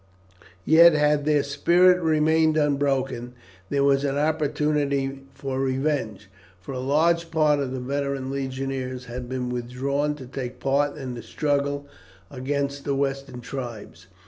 Yet, had their spirit remained unbroken, there was an opportunity for revenge, for a large part of the veteran legionaries had been withdrawn to take part in the struggle against the western tribes.